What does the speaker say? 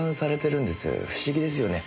不思議ですよね？